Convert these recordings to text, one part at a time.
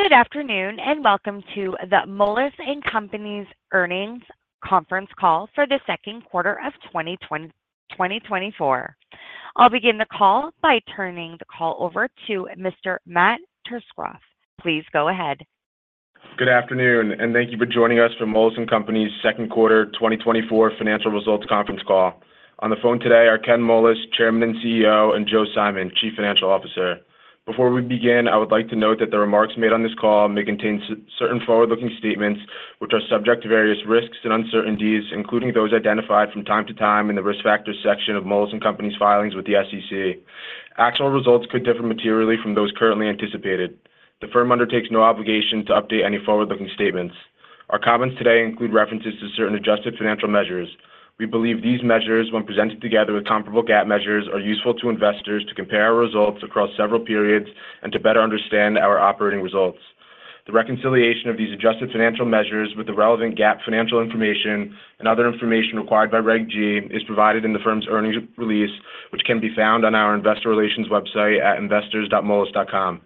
Good afternoon and welcome to the Moelis & Company's earnings conference call for the second quarter of 2024. I'll begin the call by turning the call over to Mr. Matt Tsukroff. Please go ahead. Good afternoon and thank you for joining us for Moelis & Company's second quarter 2024 financial results conference call. On the phone today are Ken Moelis, Chairman & CEO, and Joe Simon, Chief Financial Officer. Before we begin, I would like to note that the remarks made on this call may contain certain forward-looking statements which are subject to various risks and uncertainties, including those identified from time to time in the risk factor section of Moelis & Company's filings with the SEC. Actual results could differ materially from those currently anticipated. The firm undertakes no obligation to update any forward-looking statements. Our comments today include references to certain adjusted financial measures. We believe these measures, when presented together with comparable GAAP measures, are useful to investors to compare our results across several periods and to better understand our operating results. The reconciliation of these adjusted financial measures with the relevant GAAP financial information and other information required by Reg G is provided in the firm's earnings release, which can be found on our investor relations website at investors.moelis.com.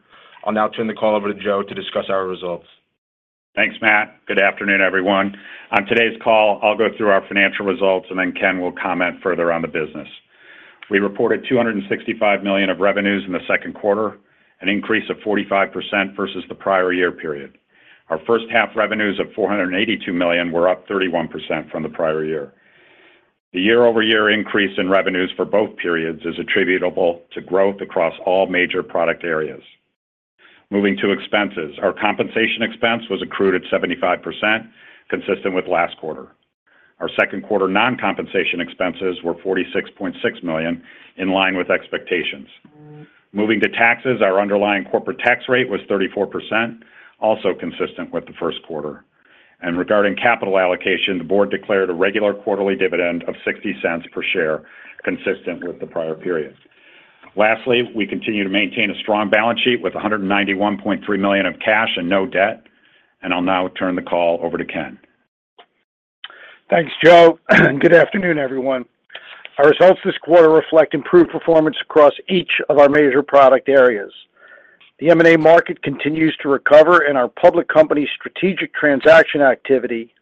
I'll now turn the call over to Joe to discuss our results. Thanks, Matt. Good afternoon, everyone. On today's call, I'll go through our financial results and then Ken will comment further on the business. We reported $265 million of revenues in the second quarter, an increase of 45% versus the prior year period. Our first-half revenues of $482 million were up 31% from the prior year. The year-over-year increase in revenues for both periods is attributable to growth across all major product areas. Moving to expenses, our compensation expense was accrued at 75%, consistent with last quarter. Our second-quarter non-compensation expenses were $46.6 million, in line with expectations. Moving to taxes, our underlying corporate tax rate was 34%, also consistent with the first quarter. Regarding capital allocation, the board declared a regular quarterly dividend of $0.60 per share, consistent with the prior period. Lastly, we continue to maintain a strong balance sheet with $191.3 million of cash and no debt. I'll now turn the call over to Ken. Thanks, Joe. And good afternoon, everyone. Our results this quarter reflect improved performance across each of our major product areas. The M&A market continues to recover and our public company's strategic transaction activity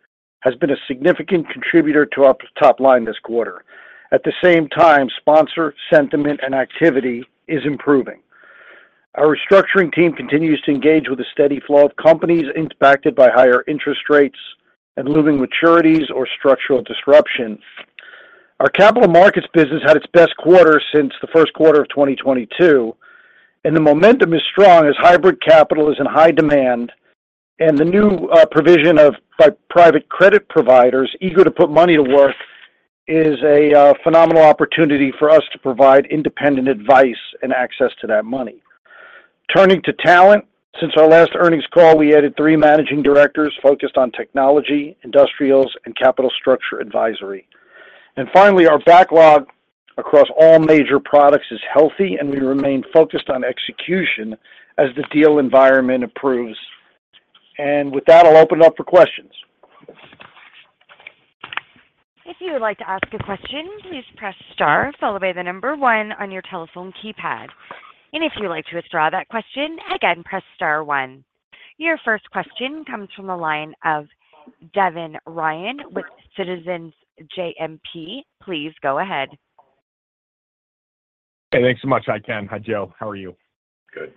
has been a significant contributor to our top line this quarter. At the same time, sponsor sentiment and activity is improving. Our restructuring team continues to engage with a steady flow of companies impacted by higher interest rates and looming maturities or structural disruptions. Our capital markets business had its best quarter since the first quarter of 2022. And the momentum is strong as hybrid capital is in high demand and the new provision of private credit providers eager to put money to work is a phenomenal opportunity for us to provide independent advice and access to that money. Turning to talent, since our last earnings call, we added three managing directors focused on technology, industrials, and capital structure advisory. Finally, our backlog across all major products is healthy and we remain focused on execution as the deal environment improves. With that, I'll open it up for questions. If you would like to ask a question, please press star followed by the number one on your telephone keypad. If you'd like to withdraw that question, again, press star one. Your first question comes from the line of Devin Ryan with Citizens JMP. Please go ahead. Hey, thanks so much. Hi, Ken. Hi, Joe. How are you? Good.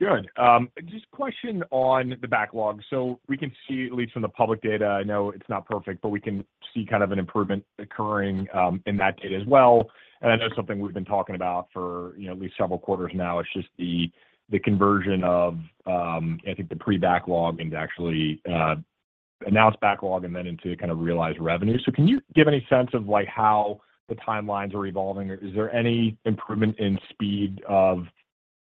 Good. Good. Just a question on the backlog. So we can see, at least from the public data, I know it's not perfect, but we can see kind of an improvement occurring in that data as well. And I know something we've been talking about for at least several quarters now is just the conversion of, I think, the pre-backlog into actually announced backlog and then into kind of realized revenue. So can you give any sense of how the timelines are evolving? Is there any improvement in speed of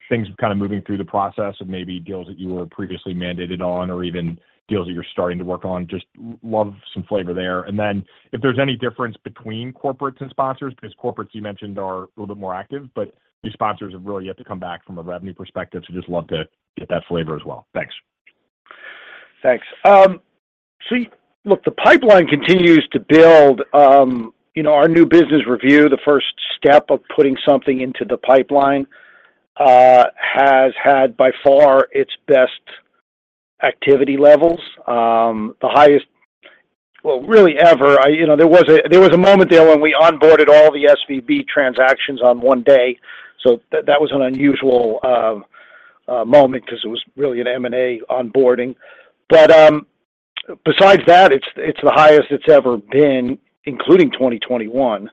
things kind of moving through the process of maybe deals that you were previously mandated on or even deals that you're starting to work on? Just love some flavor there. And then if there's any difference between corporates and sponsors, because corporates, you mentioned, are a little bit more active, but these sponsors have really yet to come back from a revenue perspective, so just love to get that flavor as well. Thanks. Thanks. So look, the pipeline continues to build. Our new business review, the first step of putting something into the pipeline, has had by far its best activity levels. The highest, well, really ever. There was a moment there when we onboarded all the SVB transactions on one day. So that was an unusual moment because it was really an M&A onboarding. But besides that, it's the highest it's ever been, including 2021.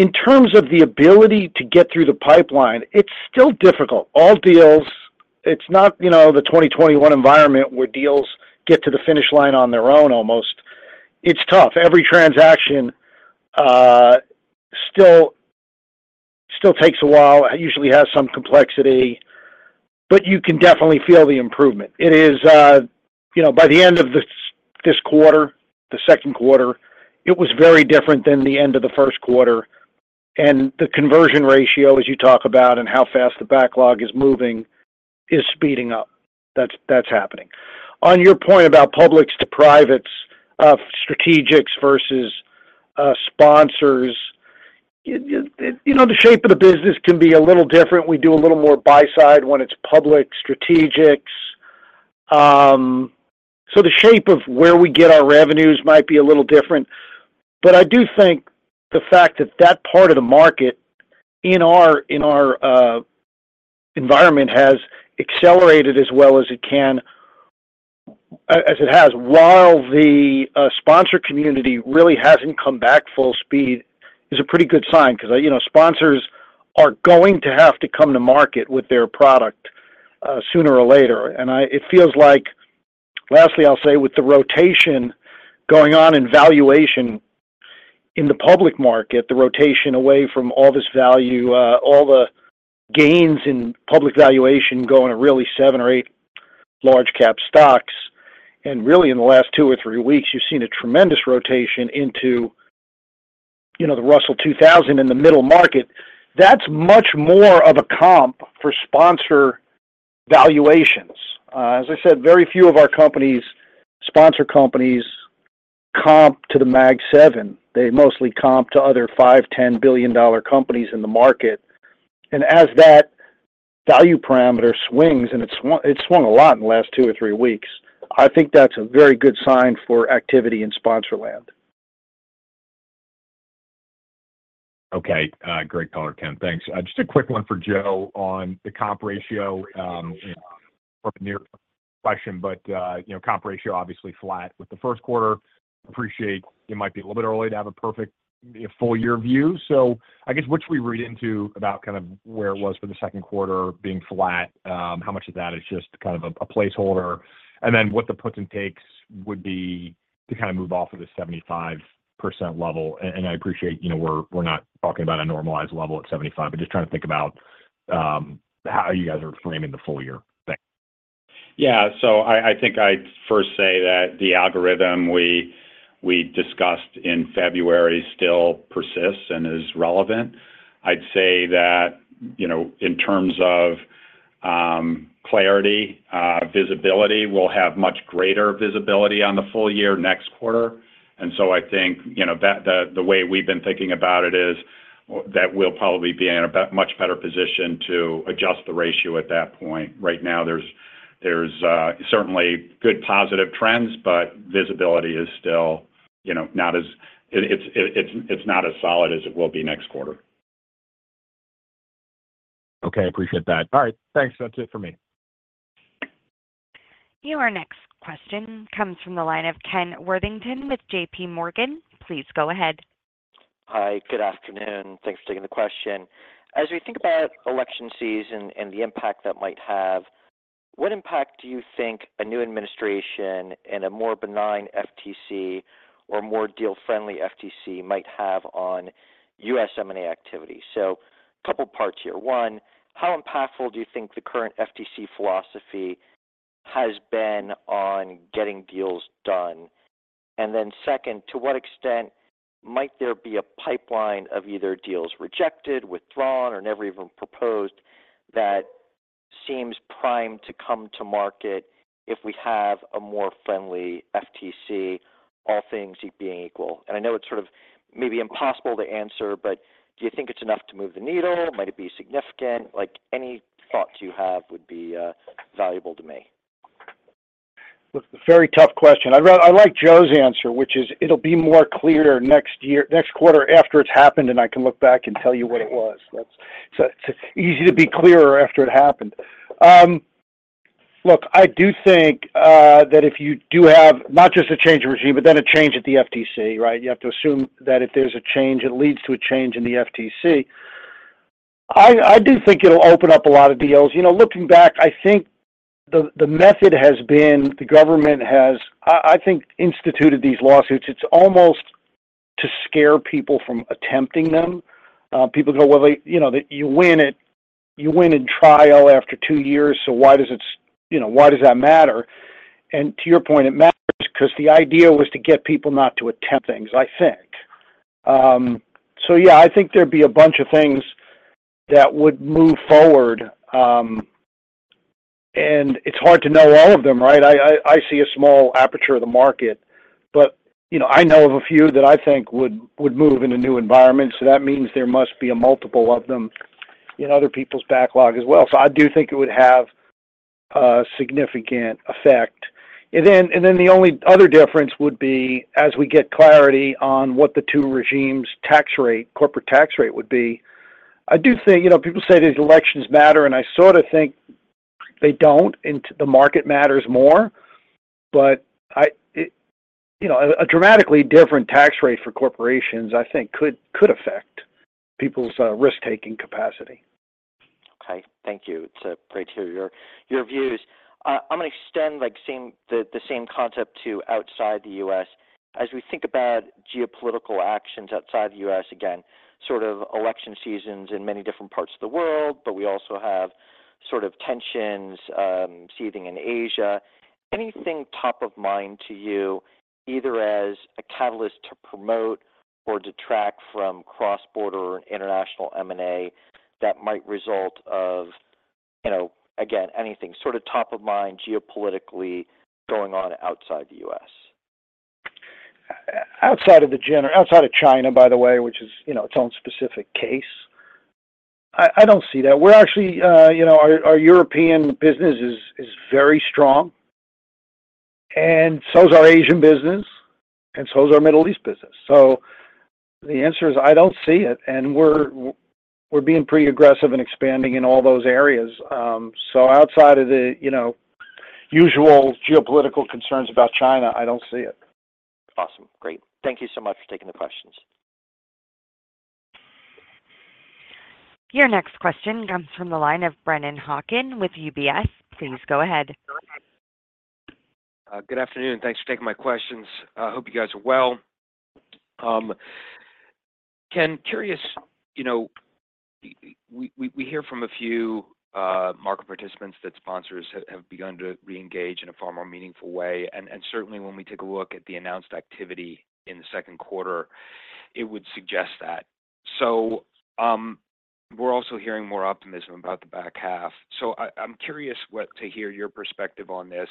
In terms of the ability to get through the pipeline, it's still difficult. All deals, it's not the 2021 environment where deals get to the finish line on their own almost. It's tough. Every transaction still takes a while, usually has some complexity, but you can definitely feel the improvement. It is, by the end of this quarter, the second quarter, it was very different than the end of the first quarter. The conversion ratio, as you talk about, and how fast the backlog is moving is speeding up. That's happening. On your point about publics to privates, strategics versus sponsors, the shape of the business can be a little different. We do a little more buy-side when it's public, strategics. So the shape of where we get our revenues might be a little different. But I do think the fact that that part of the market in our environment has accelerated as well as it has, while the sponsor community really hasn't come to market full speed, is a pretty good sign because sponsors are going to have to come to market with their product sooner or later. And it feels like, lastly, I'll say, with the rotation going on in valuation in the public market, the rotation away from all this value, all the gains in public valuation going to really seven or eight large-cap stocks. And really, in the last two or three weeks, you've seen a tremendous rotation into the Russell 2000 in the middle market. That's much more of a comp for sponsor valuations. As I said, very few of our sponsor companies comp to the Mag 7. They mostly comp to other $5-$10 billion companies in the market. And as that value parameter swings, and it swung a lot in the last two or three weeks, I think that's a very good sign for activity in sponsor land. Okay. Great, caller, Ken. Thanks. Just a quick one for Joe on the comp ratio. It's a question, but comp ratio obviously flat with the first quarter. Appreciate it might be a little bit early to have a perfect full-year view. So I guess what should we read into about kind of where it was for the second quarter being flat? How much of that is just kind of a placeholder? And then what the puts and takes would be to kind of move off of the 75% level? And I appreciate we're not talking about a normalized level at 75%, but just trying to think about how you guys are framing the full-year thing. Yeah. So I think I'd first say that the algorithm we discussed in February still persists and is relevant. I'd say that in terms of clarity, visibility, we'll have much greater visibility on the full year next quarter. And so I think the way we've been thinking about it is that we'll probably be in a much better position to adjust the ratio at that point. Right now, there's certainly good positive trends, but visibility is still not as solid as it will be next quarter. Okay. I appreciate that. All right. Thanks. That's it for me. Your next question comes from the line of Ken Worthington with JPMorgan. Please go ahead. Hi. Good afternoon. Thanks for taking the question. As we think about election season and the impact that might have, what impact do you think a new administration and a more benign FTC or more deal-friendly FTC might have on U.S. M&A activity? So a couple of parts here. One, how impactful do you think the current FTC philosophy has been on getting deals done? And then second, to what extent might there be a pipeline of either deals rejected, withdrawn, or never even proposed that seems primed to come to market if we have a more friendly FTC, all things being equal? And I know it's sort of maybe impossible to answer, but do you think it's enough to move the needle? Might it be significant? Any thoughts you have would be valuable to me. Look, very tough question. I like Joe's answer, which is it'll be more clear next quarter after it's happened, and I can look back and tell you what it was. It's easy to be clearer after it happened. Look, I do think that if you do have not just a change of regime, but then a change at the FTC, right? You have to assume that if there's a change, it leads to a change in the FTC. I do think it'll open up a lot of deals. Looking back, I think the method has been the government has, I think, instituted these lawsuits. It's almost to scare people from attempting them. People go, "Well, you win at trial after two years, so why does that matter?" And to your point, it matters because the idea was to get people not to attempt things, I think. So yeah, I think there'd be a bunch of things that would move forward. And it's hard to know all of them, right? I see a small aperture of the market, but I know of a few that I think would move in a new environment. So that means there must be a multiple of them in other people's backlog as well. So I do think it would have a significant effect. And then the only other difference would be as we get clarity on what the two regimes' tax rate, corporate tax rate would be. I do think people say these elections matter, and I sort of think they don't. The market matters more. But a dramatically different tax rate for corporations, I think, could affect people's risk-taking capacity. Okay. Thank you. It's great to hear your views. I'm going to extend the same concept to outside the U.S. As we think about geopolitical actions outside the U.S., again, sort of election seasons in many different parts of the world, but we also have sort of tensions seething in Asia. Anything top of mind to you, either as a catalyst to promote or detract from cross-border international M&A that might result of, again, anything sort of top of mind geopolitically going on outside the U.S.? Outside of China, by the way, which is its own specific case, I don't see that. We're actually our European business is very strong, and so is our Asian business, and so is our Middle East business. So the answer is I don't see it. We're being pretty aggressive and expanding in all those areas. So outside of the usual geopolitical concerns about China, I don't see it. Awesome. Great. Thank you so much for taking the questions. Your next question comes from the line of Brennan Hawken with UBS. Please go ahead. Good afternoon. Thanks for taking my questions. I hope you guys are well. Ken, curious, we hear from a few market participants that sponsors have begun to reengage in a far more meaningful way. Certainly, when we take a look at the announced activity in the second quarter, it would suggest that. We're also hearing more optimism about the back half. I'm curious to hear your perspective on this.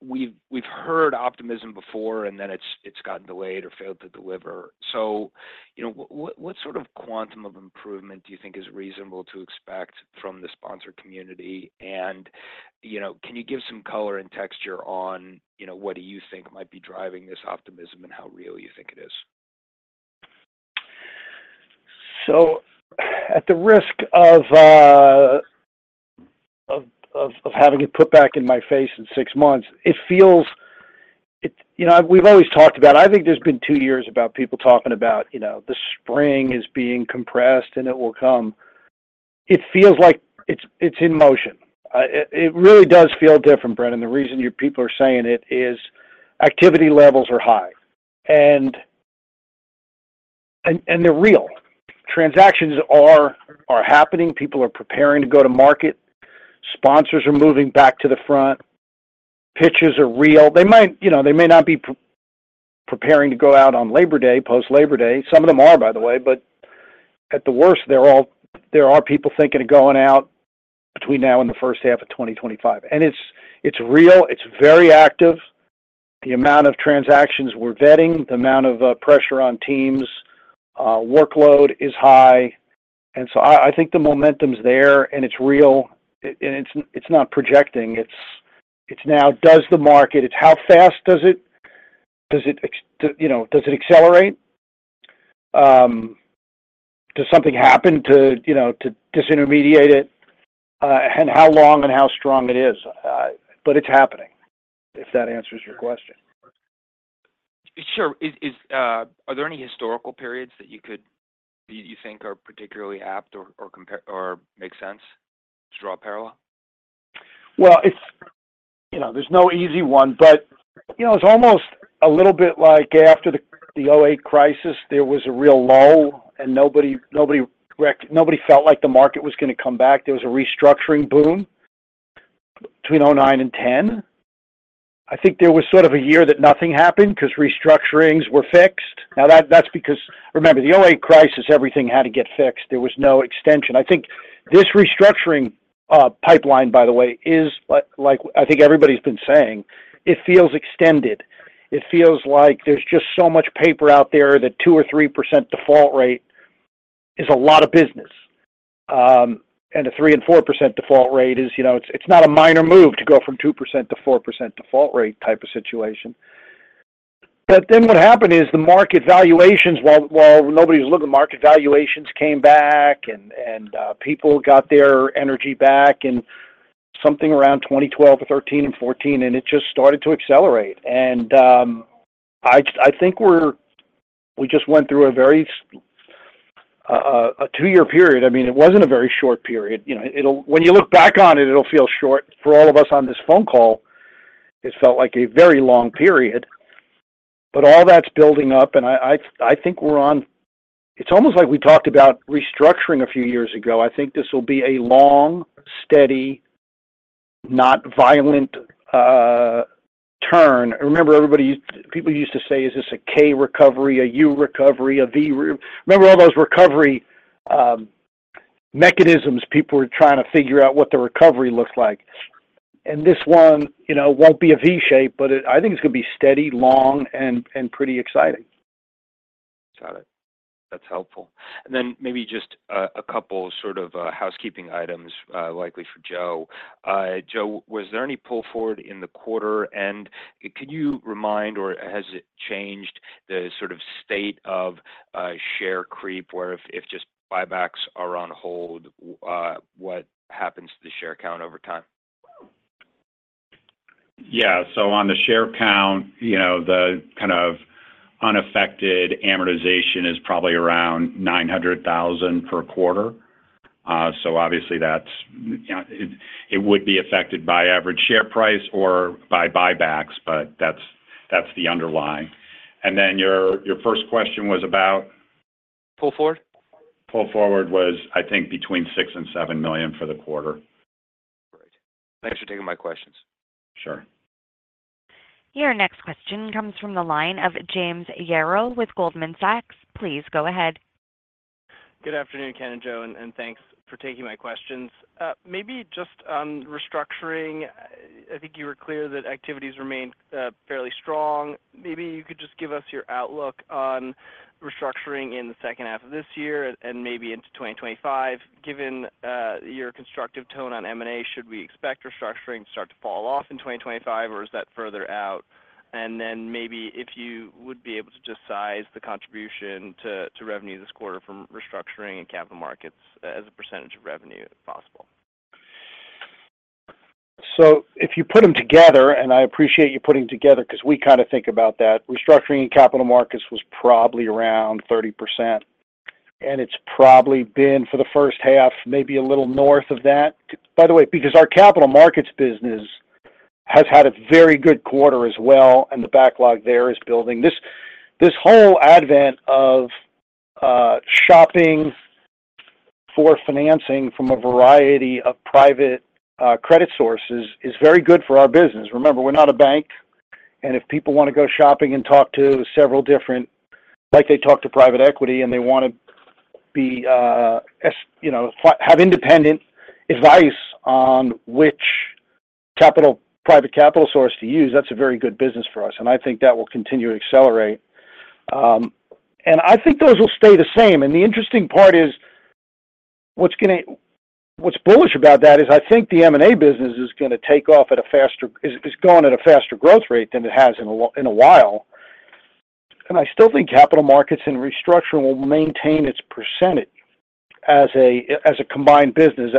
We've heard optimism before, and then it's gotten delayed or failed to deliver. What sort of quantum of improvement do you think is reasonable to expect from the sponsor community? Can you give some color and texture on what do you think might be driving this optimism and how real you think it is? So, at the risk of having it put back in my face in six months, it feels we've always talked about. I think there's been two years about people talking about the spring is being compressed and it will come. It feels like it's in motion. It really does feel different, Brennan. The reason your people are saying it is activity levels are high, and they're real. Transactions are happening. People are preparing to go to market. Sponsors are moving back to the front. Pitches are real. They may not be preparing to go out on Labor Day, post-Labor Day. Some of them are, by the way. But at the worst, there are people thinking of going out between now and the first half of 2025. And it's real. It's very active. The amount of transactions we're vetting, the amount of pressure on teams, workload is high. And so I think the momentum's there, and it's real. And it's not projecting. It's now, does the market how fast does it? Does it accelerate? Does something happen to disintermediate it? And how long and how strong it is? But it's happening, if that answers your question. Sure. Are there any historical periods that you think are particularly apt or make sense, draw a parallel? Well, there's no easy one, but it's almost a little bit like after the 2008 crisis, there was a real lull, and nobody felt like the market was going to come back. There was a restructuring boom between 2009 and 2010. I think there was sort of a year that nothing happened because restructurings were fixed. Now, that's because, remember, the 2008 crisis, everything had to get fixed. There was no extension. I think this restructuring pipeline, by the way, is like I think everybody's been saying. It feels extended. It feels like there's just so much paper out there that 2 or 3% default rate is a lot of business. And a 3 and 4% default rate is it's not a minor move to go from 2-4% default rate type of situation. But then what happened is the market valuations, while nobody was looking, market valuations came back, and people got their energy back in something around 2012 or 2013 and 2014, and it just started to accelerate. And I think we just went through a very two-year period. I mean, it wasn't a very short period. When you look back on it, it'll feel short. For all of us on this phone call, it felt like a very long period. But all that's building up, and I think we're on it; it's almost like we talked about restructuring a few years ago. I think this will be a long, steady, not violent turn. Remember, people used to say, "Is this a K recovery, a U recovery, a V?" Remember all those recovery mechanisms people were trying to figure out what the recovery looked like? This one won't be a V shape, but I think it's going to be steady, long, and pretty exciting. Got it. That's helpful. And then maybe just a couple of sort of housekeeping items likely for Joe. Joe, was there any pull forward in the quarter? And could you remind, or has it changed, the sort of state of share creep where if just buybacks are on hold, what happens to the share count over time? Yeah. So on the share count, the kind of unaffected amortization is probably around 900,000 per quarter. So obviously, it would be affected by average share price or by buybacks, but that's the underlying. And then your first question was about? Pull forward? Pull forward was, I think, between $6 million and $7 million for the quarter. Great. Thanks for taking my questions. Sure. Your next question comes from the line of James Yaro with Goldman Sachs. Please go ahead. Good afternoon, Ken and Joe, and thanks for taking my questions. Maybe just on restructuring, I think you were clear that activities remain fairly strong. Maybe you could just give us your outlook on restructuring in the second half of this year and maybe into 2025. Given your constructive tone on M&A, should we expect restructuring to start to fall off in 2025, or is that further out? And then maybe if you would be able to just size the contribution to revenue this quarter from restructuring and capital markets as a percentage of revenue if possible. So if you put them together, and I appreciate you putting together because we kind of think about that, restructuring and capital markets was probably around 30%. It's probably been for the first half, maybe a little north of that. By the way, because our capital markets business has had a very good quarter as well, and the backlog there is building. This whole advent of shopping for financing from a variety of private credit sources is very good for our business. Remember, we're not a bank. And if people want to go shopping and talk to several different, like they talk to private equity, and they want to have independent advice on which private capital source to use, that's a very good business for us. And I think that will continue to accelerate. And I think those will stay the same. The interesting part is what's bullish about that is I think the M&A business is going to take off at a faster growth rate than it has in a while. I still think capital markets and restructuring will maintain its percentage as a combined business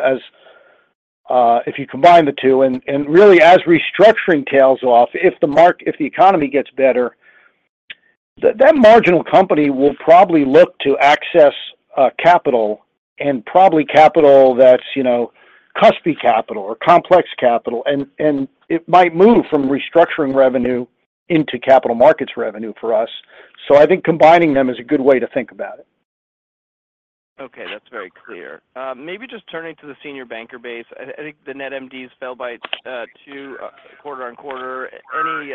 if you combine the two. Really, as restructuring tails off, if the economy gets better, that marginal company will probably look to access capital and probably capital that's cuspy capital or complex capital. It might move from restructuring revenue into capital markets revenue for us. So I think combining them is a good way to think about it. Okay. That's very clear. Maybe just turning to the senior banker base, I think the net MDs fell by 2 quarter-on-quarter. Any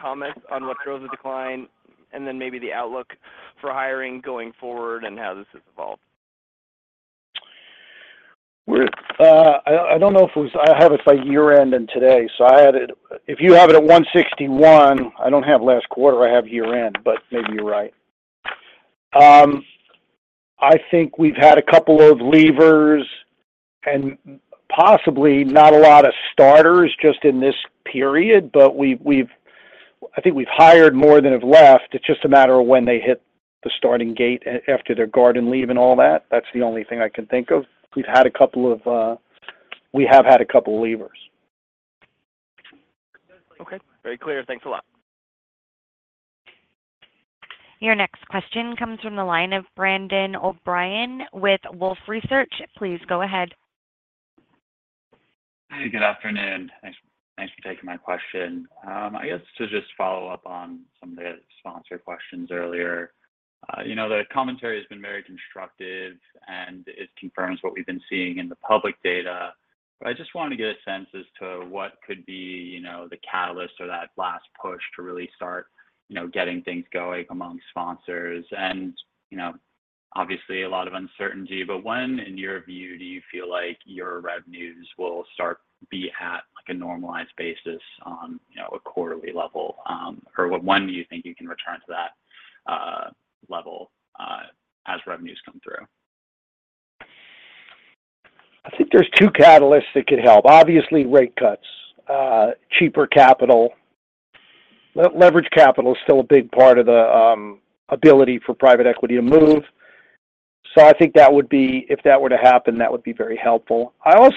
comments on what drove the decline and then maybe the outlook for hiring going forward and how this has evolved? I don't know if it was. I have it by year-end and today. So if you have it at 161, I don't have last quarter. I have year-end, but maybe you're right. I think we've had a couple of levers and possibly not a lot of starters just in this period, but I think we've hired more than have left. It's just a matter of when they hit the starting gate after their garden leave and all that. That's the only thing I can think of. We've had a couple of levers. Okay. Very clear. Thanks a lot. Your next question comes from the line of Brendan O'Brien with Wolfe Research. Please go ahead. Hey, good afternoon. Thanks for taking my question. I guess to just follow up on some of the sponsor questions earlier, the commentary has been very constructive, and it confirms what we've been seeing in the public data. But I just wanted to get a sense as to what could be the catalyst or that last push to really start getting things going among sponsors. And obviously, a lot of uncertainty. But when, in your view, do you feel like your revenues will start to be at a normalized basis on a quarterly level? Or when do you think you can return to that level as revenues come through? I think there's two catalysts that could help. Obviously, rate cuts, cheaper capital. Leverage capital is still a big part of the ability for private equity to move. So I think that would be if that were to happen, that would be very helpful. I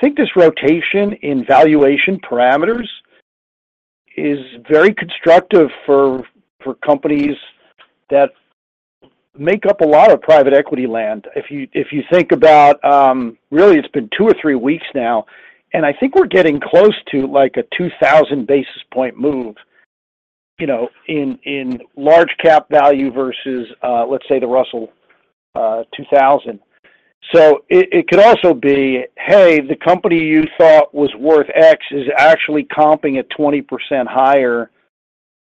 think this rotation in valuation parameters is very constructive for companies that make up a lot of private equity land. If you think about really, it's been two or three weeks now, and I think we're getting close to a 2,000 basis point move in large-cap value versus, let's say, the Russell 2000. So it could also be, "Hey, the company you thought was worth X is actually comping at 20% higher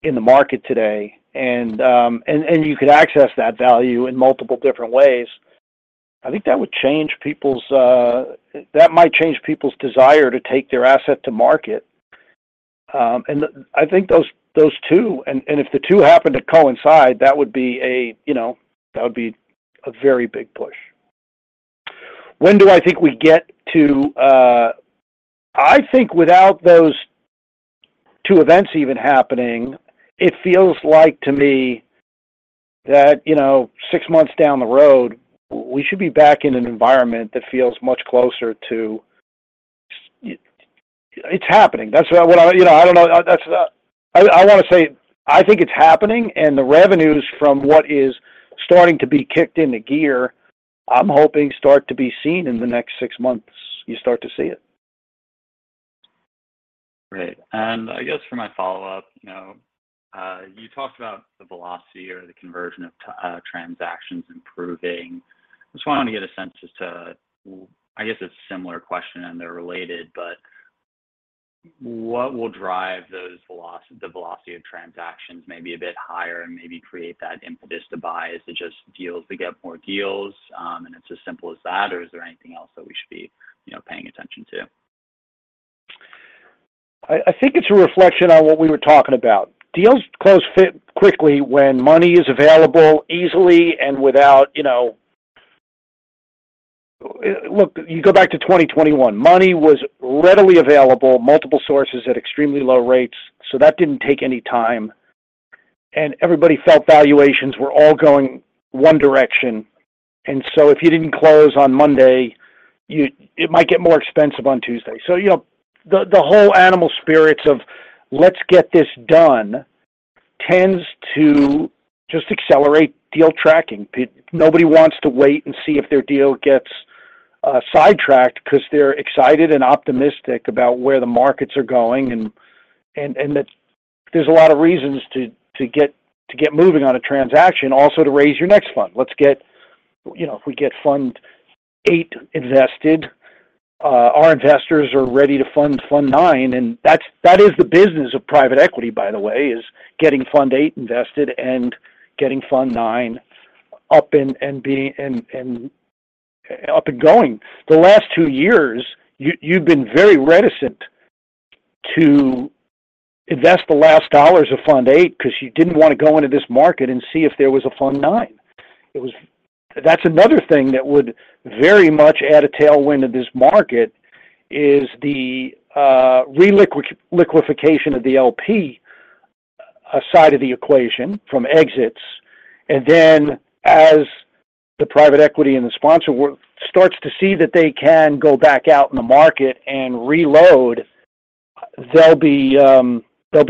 in the market today." And you could access that value in multiple different ways. I think that would change people's that might change people's desire to take their asset to market. I think those two, and if the two happen to coincide, that would be a very big push. When do I think we get to? I think without those two events even happening, it feels like to me that six months down the road, we should be back in an environment that feels much closer to it’s happening. That’s what I don’t know. I want to say I think it’s happening, and the revenues from what is starting to be kicked into gear, I’m hoping start to be seen in the next six months. You start to see it. Great. I guess for my follow-up, you talked about the velocity or the conversion of transactions improving. I just wanted to get a sense as to, I guess it's a similar question, and they're related, but what will drive the velocity of transactions maybe a bit higher and maybe create that impetus to buy? Is it just deals to get more deals, and it's as simple as that, or is there anything else that we should be paying attention to? I think it's a reflection on what we were talking about. Deals close quickly when money is available easily and without look, you go back to 2021. Money was readily available, multiple sources at extremely low rates. So that didn't take any time. Everybody felt valuations were all going one direction. So if you didn't close on Monday, it might get more expensive on Tuesday. So the whole animal spirits of, "Let's get this done," tends to just accelerate deal tracking. Nobody wants to wait and see if their deal gets sidetracked because they're excited and optimistic about where the markets are going. There's a lot of reasons to get moving on a transaction, also to raise your next fund. Let's get if we get fund eight invested, our investors are ready to fund fund nine. That is the business of private equity, by the way, is getting fund eight invested and getting fund nine up and going. The last two years, you've been very reticent to invest the last dollars of fund eight because you didn't want to go into this market and see if there was a fund nine. That's another thing that would very much add a tailwind to this market is the re-liquification of the LP side of the equation from exits. And then as the private equity and the sponsor starts to see that they can go back out in the market and reload, they'll be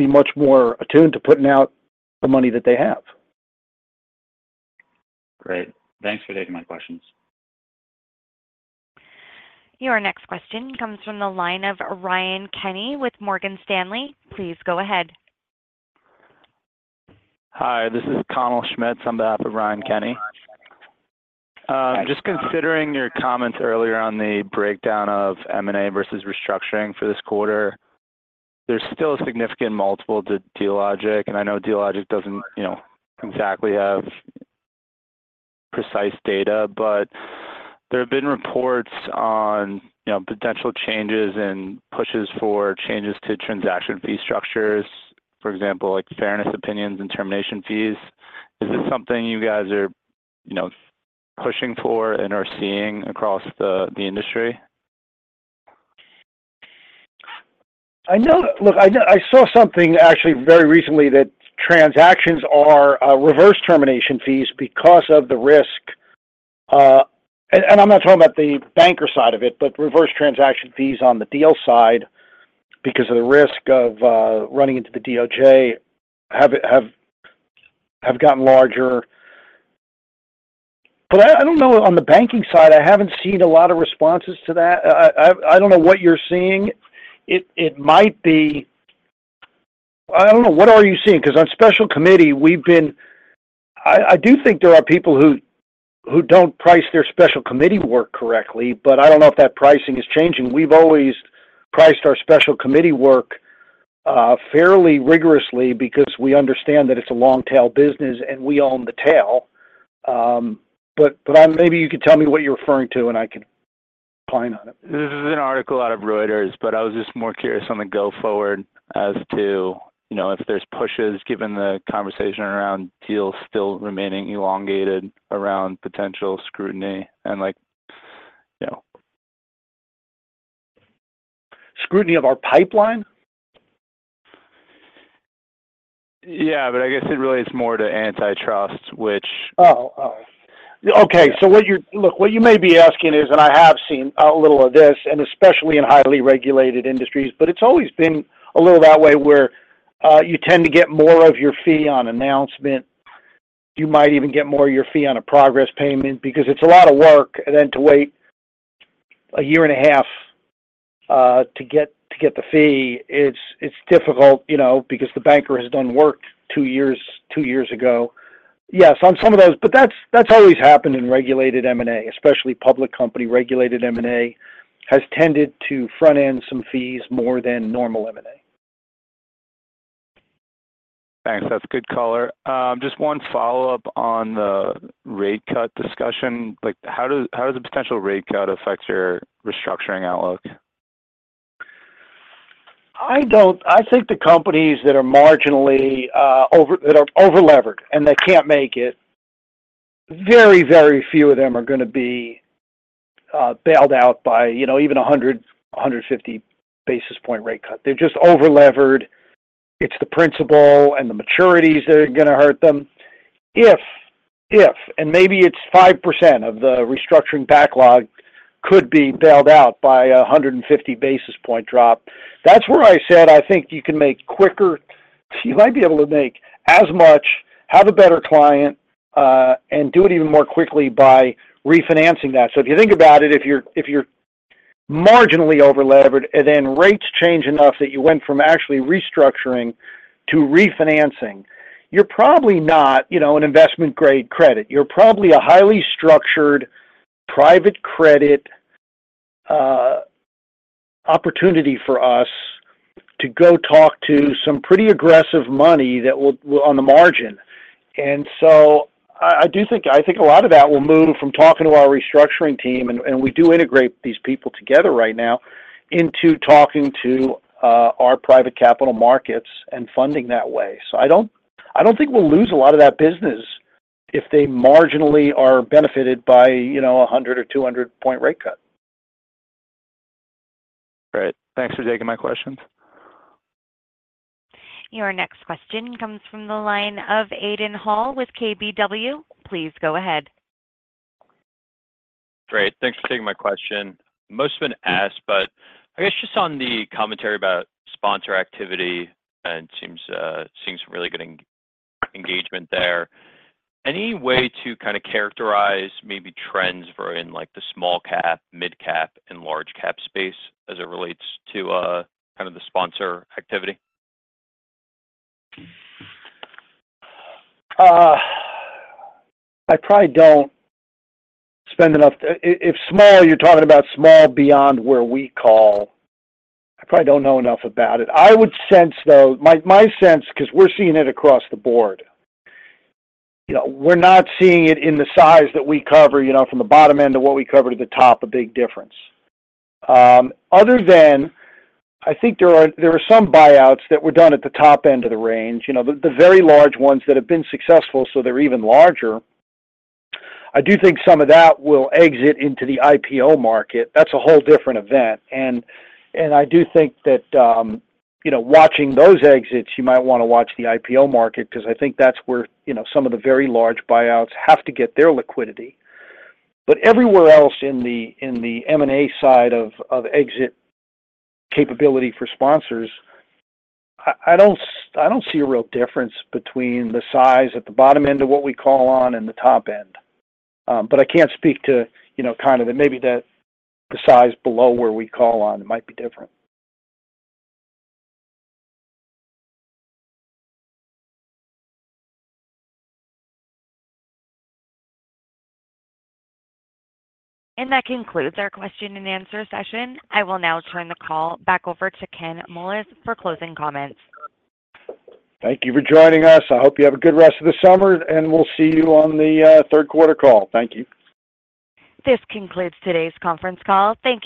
much more attuned to putting out the money that they have. Great. Thanks for taking my questions. Your next question comes from the line of Ryan Kenny with Morgan Stanley. Please go ahead. Hi. This is Connell Schmitz on behalf of Ryan Kenny. Just considering your comments earlier on the breakdown of M&A versus restructuring for this quarter, there's still a significant multiple to Dealogic. I know Dealogic doesn't exactly have precise data, but there have been reports on potential changes and pushes for changes to transaction fee structures, for example, like fairness opinions and termination fees. Is this something you guys are pushing for and are seeing across the industry? Look, I saw something actually very recently that transactions are reverse termination fees because of the risk. And I'm not talking about the banker side of it, but reverse termination fees on the deal side because of the risk of running into the DOJ have gotten larger. But I don't know. On the banking side, I haven't seen a lot of responses to that. I don't know what you're seeing. It might be I don't know. What are you seeing? Because on special committee, we've been I do think there are people who don't price their special committee work correctly, but I don't know if that pricing is changing. We've always priced our special committee work fairly rigorously because we understand that it's a long-tail business and we own the tail. But maybe you could tell me what you're referring to, and I could opine on it. This is an article out of Reuters, but I was just more curious on the go forward as to if there's pushes given the conversation around deals still remaining elongated around potential scrutiny and. Scrutiny of our pipeline? Yeah, but I guess it relates more to antitrust, which. Oh, oh. Okay. So look, what you may be asking is, and I have seen a little of this, and especially in highly regulated industries, but it's always been a little that way where you tend to get more of your fee on announcement. You might even get more of your fee on a progress payment because it's a lot of work. And then to wait a year and a half to get the fee, it's difficult because the banker has done work two years ago. Yeah, so on some of those. But that's always happened in regulated M&A, especially public company regulated M&A has tended to front-end some fees more than normal M&A. Thanks. That's good color. Just one follow-up on the rate cut discussion. How does a potential rate cut affect your restructuring outlook? I think the companies that are marginally over that are over-levered and that can't make it. Very, very few of them are going to be bailed out by even 100, 150 basis point rate cut. They're just over-levered. It's the principal and the maturities that are going to hurt them. If, and maybe it's 5% of the restructuring backlog could be bailed out by a 150 basis point drop. That's where I said I think you can make quicker you might be able to make as much, have a better client, and do it even more quickly by refinancing that. So if you think about it, if you're marginally over-levered and then rates change enough that you went from actually restructuring to refinancing, you're probably not an investment-grade credit. You're probably a highly structured private credit opportunity for us to go talk to some pretty aggressive money that will on the margin. So I do think a lot of that will move from talking to our restructuring team, and we do integrate these people together right now, into talking to our private capital markets and funding that way. So I don't think we'll lose a lot of that business if they marginally are benefited by a 100 or 200-point rate cut. Great. Thanks for taking my questions. Your next question comes from the line of Aiden Hall with KBW. Please go ahead. Great. Thanks for taking my question. Most have been asked, but I guess just on the commentary about sponsor activity, and it seems really good engagement there. Any way to kind of characterize maybe trends in the small-cap, mid-cap, and large-cap space as it relates to kind of the sponsor activity? I probably don't spend enough if small, you're talking about small beyond where we call. I probably don't know enough about it. I would sense, though, my sense because we're seeing it across the board. We're not seeing it in the size that we cover from the bottom end to what we cover to the top, a big difference. Other than I think there are some buyouts that were done at the top end of the range, the very large ones that have been successful, so they're even larger. I do think some of that will exit into the IPO market. That's a whole different event. I do think that watching those exits, you might want to watch the IPO market because I think that's where some of the very large buyouts have to get their liquidity. But everywhere else in the M&A side of exit capability for sponsors, I don't see a real difference between the size at the bottom end of what we call on and the top end. But I can't speak to kind of maybe the size below where we call on. It might be different. That concludes our question and answer session. I will now turn the call back over to Ken Moelis for closing comments. Thank you for joining us. I hope you have a good rest of the summer, and we'll see you on the third quarter call. Thank you. This concludes today's conference call. Thanks.